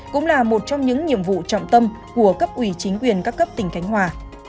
cũng là một trong những nhiệm vụ trọng tâm của cấp ủy chính quyền các cấp tỉnh khánh hòa